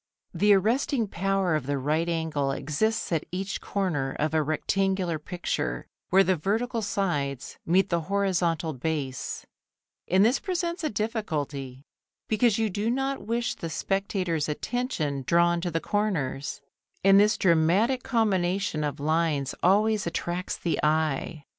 The arresting power of the right angle exists at each corner of a rectangular picture, where the vertical sides meet the horizontal base, and this presents a difficulty, because you do not wish the spectator's attention drawn to the corners, and this dramatic combination of lines always attracts the eye.